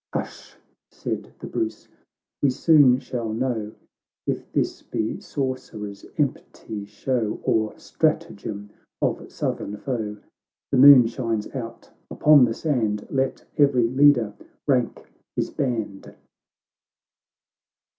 —'" Hush !" said the Bruce, " we soon shall know If this be sorcerer's empty show, Or stratagem of southern foe. The moon shines out — upon the sand Let every leader rank his band."